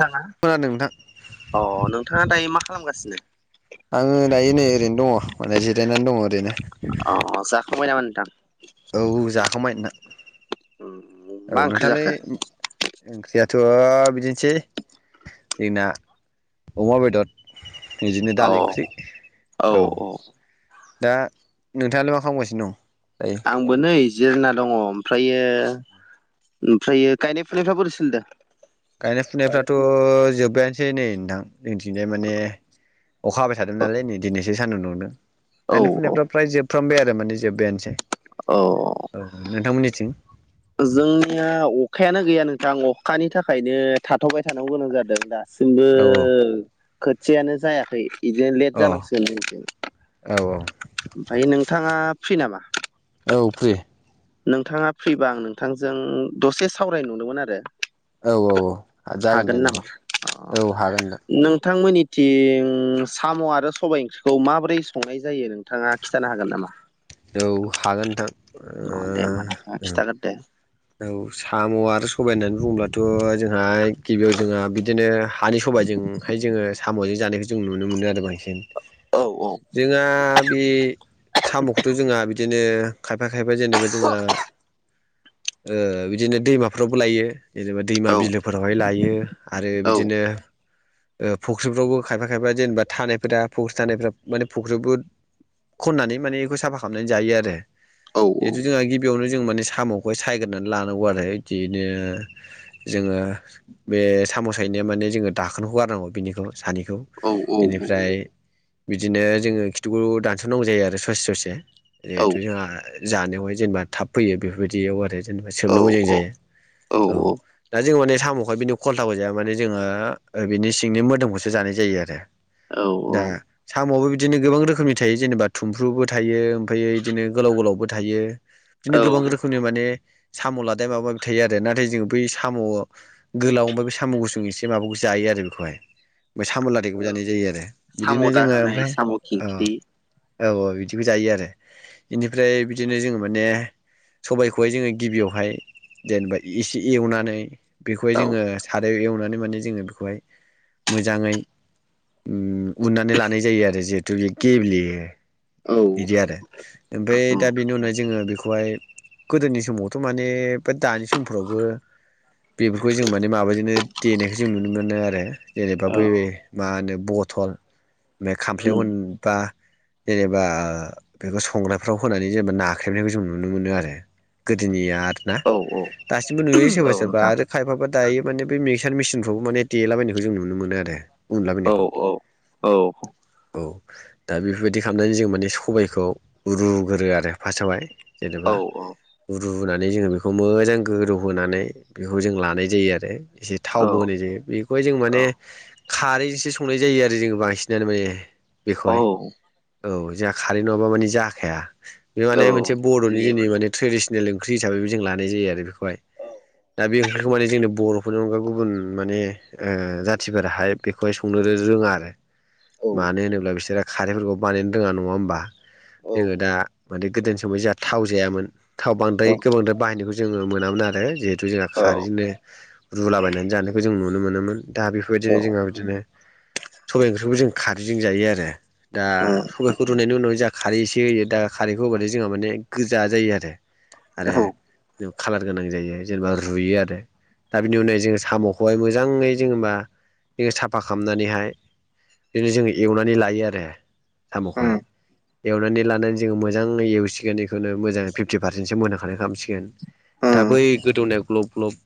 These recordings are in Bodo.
थाङा खोनादों नोंथां। अ नोंथाङा दायो मा खालामगासिनो? आङो दायो नै ओरैनो दङ माने जिरायनानै दङ ओरैनो। संबाय नामा नोंथां? औ जाखांबाय‌ नोंथां। उम औ मा ओंख्रि नोंथाङालाय? जाखो ओंख्रियाथ' बिदिनोसै जोंना अमा बेदर। बिदिनो औ दालि ओंख्रै। औ दा नोंथाङालाय मा खामगासिनो दं? आंबो नै जिरायना दङ ओमफ्रायो ओमफ्रायो गायनाय फुनायफ्रा बोरै सोलिदों? गायनाय फुनायफ्राथ' जोब्बायानोसै नै नोंथां जोंनिथिंजाय माने अखा हाबाय थादों नालाय नै दिनैसो सान्दुं दुंदों। औ गायनाय औ फुनायफ्रा फ्राय जोबफ्रामबाय आरो माने जोब्बायानोसै। औ औ नोंथांमोननिथिं। जोंनिया अखायानो गैया नोंथां अखानि थाखायनो थाथ'बाय थानांगौ गोनां जादों दा। सिमबो औ खोथियानो जायाखै इदिनो लेट अ जालांसिगोन जोंनिथिं। औ औ। ओमफ्राय नोंथाङा फ्रि नामा? औ फ्रि। नोंथाङा फ्रिबा आं नोंथांजों दसे सावरायनो नंदोंमोन आरो। औ औ औ जागोन दे हागोन नोंथां नामा औ हागोन नोंथां अ नोंथांमोननि थिं साम' आरो सबाय ओंख्रिखौ माबोरै संनाय जायो नोंथाङा खिथानो हागोन नामा? औ हागोन नोंथां ओ अ दे होमबा नोंथाङा ओ। खिथागोन दे औ साम' आरो सबाय होननानै बुङोब्लाथ' जोंहा गिबियाव जोंहा बिदिनो हानि सबायजों हाय जोङो साम'जों जानायखौ जों नुनो मोनो आरो बांसिन। औ औ। जोंहा बे साम'खौ बिदिनो खायफा खायफा जेनेबा जोंहा ओ बिदिनो दैमाफ्रावबो लाइयो। जेनेबा दैमा औ बिलोफोरावहाय लाइयो आरो औ बिदिनो ओ फख्रिफ्रावबो खायफा खायफा जेनेबा थानायफोरा फख्रि थानायफोरा माने फख्रियावबो खननानै माने इखौ साफा खालामनानै जायो आरो जिथु जोंहा गिब बियावनो जों माने साम'खौहाय सायगोरनानै लानांगौ आरो इदिनो। जोङो बे साम' सायनाया माने जोङो दाखोनखौ गारनांगौ बिनिखौ सानिखौ। औ इनिफ्राय बिदिनो जोङो खिथुखौ दानस'नांगौ जायो आरो ससे ससे। औ जिहेथु जोंहा जानायावहाय जेनेबा थाब फैयो बेफोरबायदियाव आरो जेनेबा सोबनो मोजां औ जायो औ। दा जोंङो माने साम'खहाय बिनि खलथाखौ जाया माने जोङो ओ बिनि सिंनि मोदोमखौसो जानाय जायो आरो। औ दा साम'आबो बिदिनो गोबां रोखोमनि थायो जेनेबा थुमफ्रुबो थायो आमफायो इदिनो गोलाव गोलावबो थायो बिदिनो गोबां औ रोखोमनि माने साम' लादाय माबा माबि थायो आरो नाथाय जोङो बै साम' गोलाव ओफ्राय बे साम' गुसुं एसे माबाखौ जायो आरो बेखौहाय साम' ला बिदिखौबो जानाय जायो आरो साम' बिदिनो जोङो दाहोनाय ओमफ्राय साम' ओ खिंख्रि औ औ बिदिखौ जायो आरो इनिफ्राय बिदिनो जोङो माने सबायखौहाय जोङो गिबियावहाय जेनेबा एसे एवनानै बेखौहाय औ जोङो सार आरोय एवनानै माने जोङो बेखौहाय मोजाङै उम उननानै लानाय जायो आरो जिहेतु बे गेब्लेयो औ बिदि आरो ओमफ्राय उम दा बेनि उनावाय जोङो बेखौहाय गोदोनि समावथ' माने दानि समफ्रावबो बेफोरखौ जों माने माबाजोंनो देनायखौ जों नुनो मोनो आरो जेनेबा औ बै बे मा होनो बथल खामफ्ले अनबा जेनेबा बेखौ संग्राफ्राव होनानै जेनेबा नाख्रेबनायखौ जों नुनो मोनो आरो गोदोनिया ना औ दासिमबो नुयो औ सोरबा सोरबा नोंथां आरो खायफाबा दायो माने बे मिक्सार मेसिनफ्रावबो माने देलाबायनायखौ जों नुनो मोनो आरो उनला औ बायनायखौ औ औ औ दा बेफोरबायदि खालामनानै जों माने सबायखौ खौ रुग्रो आरो फास्टआवहाय जेनेबा रुनानै जोङो बेखौ मोजां गोदौहोनानै बेखौ जों लानाय जायो आरो एसे थावबो औ होनाय जायो बेखौहाय जों औ माने खारैजोंसो संनाय जायो आरो जों बांसिनानो माने बेखौहाय औ औ जोंहा खारै नङाब्ला माने जाखाया बे औ माने मोनसे बर'नि जोंनि लेमोन माने ट्रेडिसनेल ओंख्रि हिसाबैबो जों लानाय जायो आरो बेखौहाय दा बे ओंख्रिखौ माने जोंनि बर'फोरनि अनगा गुबुन माने जाथिफोराहाय बेखौहाय संनो रोङा आरो औ मानो होनोब्ला बिसोरो खारैफोरखौ बानायनो रोङा नङा होमबा औ जोङो दा माने गोदोनि समाव जोंहा थाव जायामोन थाव बांद्राय औ गोबांद्राय बाहायनायखौ जोङो मोनामोन आरो जि बे जोंहा औ खारैजोंनो रुलाबायनानै जानायखौ जों नुनो मोनोमोन दा बेफोरबायदिनो औ जोंहा बिदिनो सबाइ ओंख्रिखौ जों खारैजों जायो आरो दा उम सबाइखौ रुनायनि उनाव जोंहा खारै एसे होयो दा खारैखौ होबथाय जोंहा माने गोजा जायो आरो औ आरो खालार गोनां जायो जेनेबा रुयो आरो दा बिनि उनावाय जोङो साम'खौहाय मोजाङै जेनेबा जोङो साफा खालामनानैहाय बिदिनो जोंङो एवनानै लायो आरो उम साम'खौहाय एवनानै लानानै जोङो मोजाङै एवसिगोन बेखौनो मोजाङै फिफ्टि पारसेन्टसो मोनहोखानाय खालामसिगोन दा उम बै गोदौनाय ग्लब गलब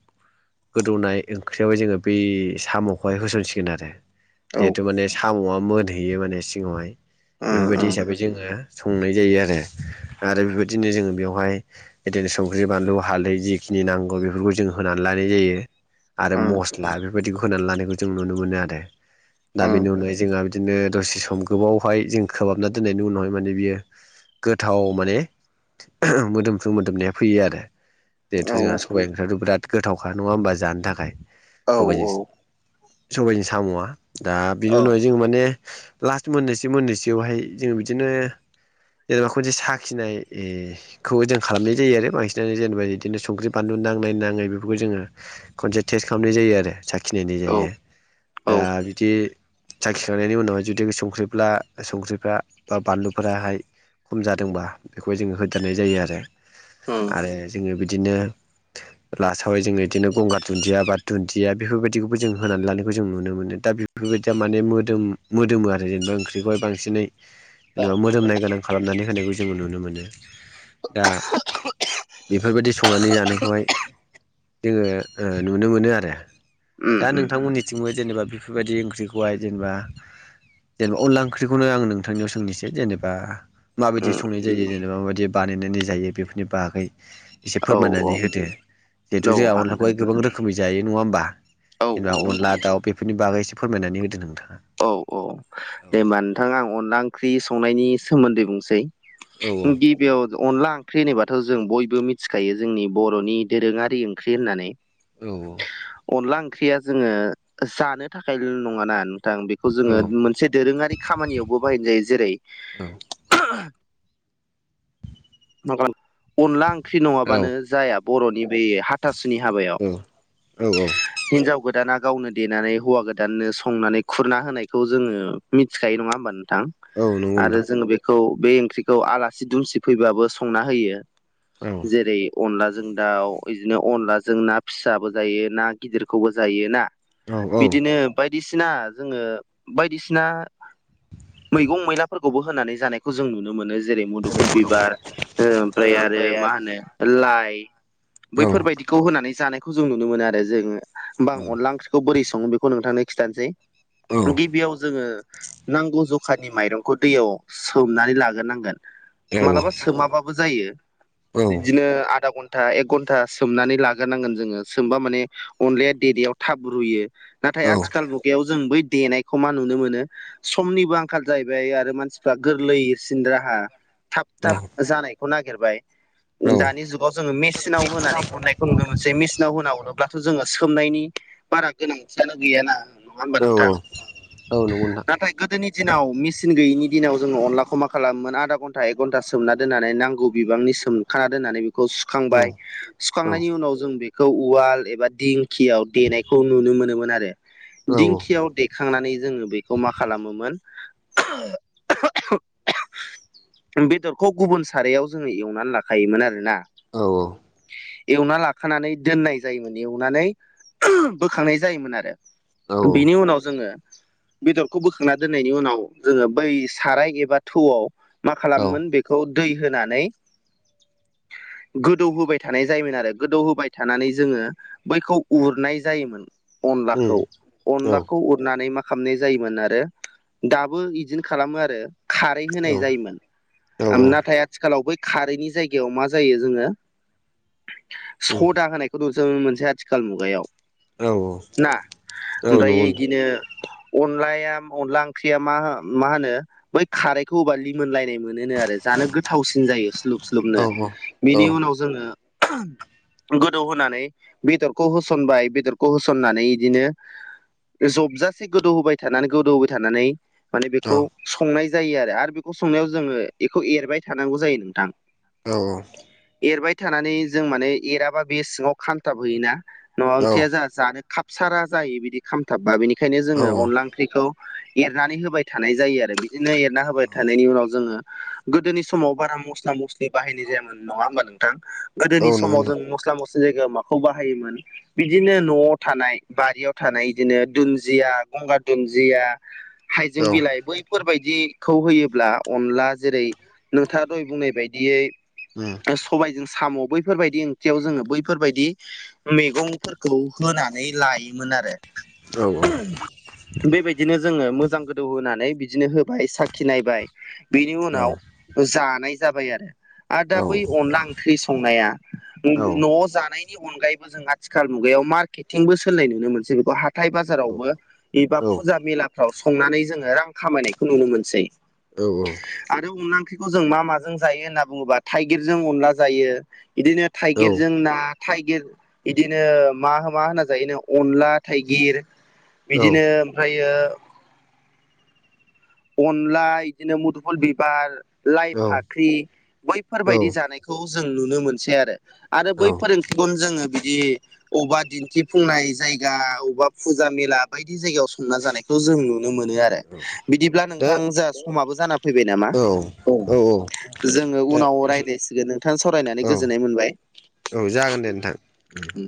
गोदौनाय ओंख्रियावहाय जोङो बै साम'खौहाय होसनसिगोन आरो औ जिहेतु माने साम'आ मोनहैयो माने सिङावहाय उम उम बेफोरबायदि हिसाबै जोङो संनाय जायो आरो आरो बेबायदिनो जोङो बेवहाय बिदिनो संख्रि बानलु हालदै जिखिनि नांगौ बेफोरखौ जों होनानै लानाय जायो आरो उम मस्ला बेफोरबायदिखौ होनानै लानायखौ जों नुनो मोनो आरो दा उम बेनि उनावाय जोंहा बिदिनो दसे सम गोबावहाय जों खोबाबना दोननायनि उनावहाय माने बियो गोथाव माने मोदोमफ्रु मोदोमनाया फैयो आरो औ जिहेथु जोंहा सबाइ ओंख्रियाथ' बिराद गोथावखा नङा होमबा जानो थाखाय औ सबाइजों सबाइजों साम'आ दा बिनि औ उनावहाय जोंङो माने लास्ट मोननैसो मोननैसोयावहाय जोङो बिदिनो जेनेबा खनसे साखिनाय ए खौबो जों खालामनाय जायो आरो बांसिनानो जेनेबा बिदिनो संख्रि बानलु नांनाय नाङै बेफोरखौ जोङो खनसे टेस्ट खालामनाय जायो आरो साखिनायनाय औ जायो औ दा बिदि साखिखांनायनि उनावहाय जुदि संख्रिब्ला संख्रिफ्रा बा बानलुफोराहाय खम जादोंबा बेखौहाय जोङो होदेरनाय जायो आरो उम आरो जोङो बिदिनो लास्टावहाय जोङो बिदिनो गंगार दुन्दिया बा दुन्दिया बेफोरबायदिखौबो जों होनानै लानाय जों नुनो मोनो दा बे बेफोरबायदिया माने मोदोम मोदोमो आरो जेनेबा ओंख्रिफ्रा बांसिनै जेनेबा मोदोमनाय गोनां खालामनानै होनायखौ जोंङो नुनो मोनो दा बेफोरबायदि संनानै जानायखौहाय जोंङो नुनो मोनो आरो उम दा नोंथांमोननिथिंबो जेनेबा बेफोरबायदि ओंख्रिखौहाय जेनेबा जेनेबा अनला ओंख्रिखौनो आं नोंथांनियाव सोंनिसै जेनेबा माबायदि उम संनाय जायो जेनेबा माबायदि बानायनानै जायो बेफोरनि बागै एसे औ फोरमायनानै होदो जिहेतु औ जोंहा हागोन अनलाखौहाय गोबां रोखोम रोखोमै जायो नङा होमबा औ जेनेबा अनला दाउ बेफोरनि बागै एसे फोरमायनानै होदो नोंथाङा। औ औ दे हबा नोंथाङा आं अनला ओंख्रि संनायनि सोमोन्दै बुंसै औ बेयर अनला ओंख्रि होनोबाथ' जों बयबो मिथिखायो जोंनि बर'नि दोरोङारि ओंख्रि होननानै औ अनला ओंख्रिया जोंङो जानो थाखायल' नङाना नोंथां बेखौ औ जोंङो ससे दोरोङारि खामानियावबो बाहायनाय जायो जेरै औ माबा अनला ओंख्रि औ नङाबानो जाया बर'नि बे हा औ हाबायाव हिनजाव गोदाना गावनो देनानै हौवा गोदाननो संनानै खुरना होनायखौ जोंङो मिथिखायो नङा होमबा नोंथां औ नंगौ आरो नोंथां जोंङो बेखौ बे ओंख्रिखौ आलासि दुमसि फैबाबो संना होयो। औ जेरै अनलाजों दाउ बिदिनो अनलाजों ना फिसाबो जायो ना गिदिरखौबो जायो ना औ बिदिनो बायदिसिना जोंङो बायदिसिना मैगं मैलाफोरखौबो होनानै जानायखौ जों नुनो मोनो जेरै मुदुफ फुल बिबार ओमफ्राय आरो मा होनो लाइ औ बैफोरबायदिखौ होनानै जानायखौ जों नुनो मोनो आरो जोंङो होमबा औ अनला ओंख्रि खौ बोरै सो बेखौ नोंथांनो खिथानोसै औ गिबियाव जोंङो नांगौ जखानि माइरंखौ दैयाव सोमनानै लाग्रोनांगोन मालाबा सोमाबाबो जायो औ नंगौ नोंथां औ औ बिदिनो आधा घन्टा एक घन्टा सोमनानै लाग्रोनांगोन जोंङो सोमबा माने अनलाया देरयाव थाब रुयो नाथाय औ औ औ उम औ उम औ नंगौ नोंथां औ आथिखाल मुगायाव जों बै देनायखौ मा नुनो मोनो समनिबो आं आंखाल जाहैबाय आरो मानसिफ्रा गोरलैसिन राहा थाब नंगौ थाब जानायखौ नागिरबाय दानि जुगाव जोंङो मेचनाव होनानै अरनायखौ नुनो मोनसै मेसिन नाव होना हरोब्लाथ' जोंङो सोमनायनि बारा गोनांथियानो गैयाना नङा हबा नोंथां ना गोदोनि दिनाव मेसिन गैयिनि दिनाव जोंङो अनलाखौ मा खालामोन आधा घन्टा एक घन्टा सोमना दोननानै नांगौ बिबांनि सोम खाना दोननानै बेखौ सुखांबाय सुखांनायनि उनाव जों बे खौ उवाल एबा दिंखियाव देनायखौ नुनो मोनोमोन आरो दिंखियाव खांनानै जोङो बेखौ मा खालामोमोन [unintelligible] बेदरखौ गुबुन सारायाव जोंङो एवनानै लाखायोमोन आरोना। एवना लाखानानै दोननाय जायोमोन एवनानै ओम बोखांनाय जायोमोन आरो बिनि उनाव जोंङो बेदरखौ बोखांनानै दोननायनि उनाव जोंङो बै साराय एबा थौ मा खालामोन बे खौ दै होनानै गोदौ होबाय थानाय जायोमोन आरो गोदौ होबाय थानानै जोंङो बैखौ उरनाय जायोमोन। अनलाखौ अनलाखौ उरनानै मा खालामनाय जायोमोन आरो दाबो बिदिनो खालामो आरो खारै होनाय जायोमोन नाथाय आथिखालाव बै खारैनि जायगायाव मा जायो जोङो सदा होनायखौ जों मोनसे आथिखाल मुगायाव ना ओमफ्राय बिदिनो अनलाया अनला ओंख्रिया मा मा होनो बै खारैखौ होब्ला लिमोनलायनाय मोनोनो आरो जानो गोथावसिन जायो स्लुब स्लुबनो बेनि उनाव जोङो गोदौ होनानै बेदरखौ होसनबाय बेदरखौ होसननानै इदिनो जबजासे गोदौहोबाय थानानै गोदौहोबाय थानानै माने बेखौ संनाय जायो आरो आरो बेखौ संनायाव जोङो बेखौ एरबाय थानांगौ जायो नोंथां औ औ एरबाय थानानै जों माने एराबा बे सिङाव खामथाब होयोना न' ओंथिया ज जानो खाबसारा जायो बिदि खामथाबबा बिनिखायनो जोङो अनला ओंख्रिखौ एरनानै होबाय थानाय जायो आरो बिदिनो एरना होबाय थानायनि उनाव जोङो गोदोनि समाव बारा मस्ला मस्लि बाहायनाय जायामोन नङा होमबा नोंथां गोदोनि समाव नोंथां जों मस्ला मस्लि जायगायाव माखौ बाहायोमोन बिदिनो न'आव थानाय बारियाव थानाय बिदिनो दुन्दिया गंगार दुन्दिया जिया हाइजें औ बिलाइ बै फोरबायदिखौ होयोब्ला अनला जेरै नोंथाङा दहाय बुंनाय बायदियै ओम सबायजों साम' बैफोरबायदि ओंख्रयाव जोङो बैफोरबायदि मैगंफोरखौ होनानै लायोमोन आरो औ औ बेबायदिनो जोङो मोजां गोदौ होनानै बिदिनो होबाय साखिनायबाय बेनि औ उनाव जानाय जाबाय आरो आरो दा बै औ अनला ओंख्रि संनाया न'आव जानाय नि अनगायैबो जों आथिखाल मुगायाव मार्केटिंबो सोनाय नुनो मोनसै बेखौ हाथाय बाजारावबो एबा बा मेलाफ्राव संनानै जोङो रां खामायनायखौ नुनो मोनसै औ औ आरो अनला ओंख्रिखौ जों मा माजों जायो होनना बुङोब्ला थाइगिरजों अनला जायो बिदिनो थाइगिरजों ना थाइगिर बिदिनो मा मा होनना जायो अनला थाइगिर बिदिनो ओमफ्रायो अनला बिदिनो मुदुफुल बिबार लाइ फाख्रि बैफोरबायदि जानायखौ जों नुनो मोनसै आरो आरो बैफोर ओंख्रि खौ जोङो बिदि अबेबा दिन्थिफुंनाय जायगा अबेबा फुजा मेला बायदि जायगायाव संना जानायखौ जों नुनो मोनो आरो बिदिब्ला नोंथां जों समाबो जाना फैबाय नामा औ जोङो दा उनाव एसे रायज्लायसिगोन नोंथां सावरायनानै औ गोजोननाय मोनबाय औ जागोन दे नोंथां। औ।